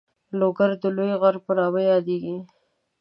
لوګر د لوی غر په نامه یادېده.